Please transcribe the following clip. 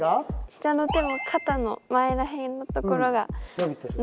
下の手も肩の前ら辺のところが伸びてます。